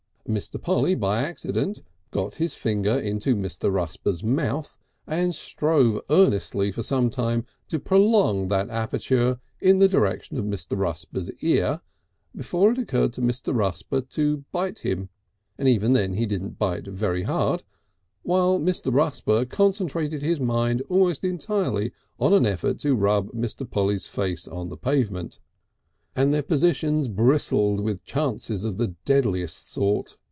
Mr. Polly, by accident, got his finger into Mr. Rusper's mouth, and strove earnestly for some time to prolong that aperture in the direction of Mr. Rusper's ear before it occurred to Mr. Rusper to bite him (and even then he didn't bite very hard), while Mr. Rusper concentrated his mind almost entirely on an effort to rub Mr. Polly's face on the pavement. (And their positions bristled with chances of the deadliest sort!)